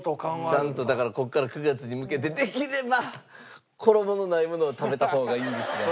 ちゃんとだからここから９月に向けてできれば衣のないものを食べた方がいいですが。